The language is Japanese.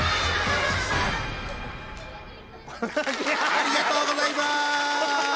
ありがとうございます！